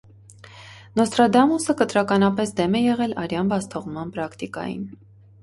Նոստրադամուսը կտրականապես դեմ է եղել արյան բացթողնման պրակտիկային։